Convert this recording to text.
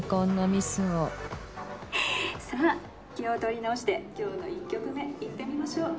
「さあ気を取り直して今日の１曲目いってみましょう」